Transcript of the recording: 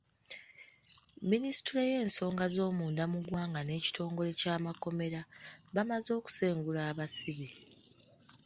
Minisitule y’ensonga zoomunda mu ggwanga n’ekitongole ky’amakomera, bamaze okusengula abasibe.